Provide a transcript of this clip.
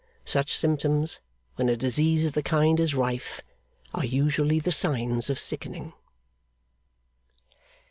Such symptoms, when a disease of the kind is rife, are usually the signs of sickening.